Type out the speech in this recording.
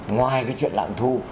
ngoài cái chuyện lạm thu